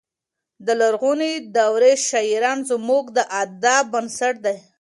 د لرغونې دورې شاعران زموږ د ادب بنسټ دی.